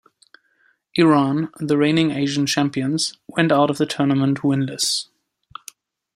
Iran, the reigning Asian champions, went out of the tournament winless.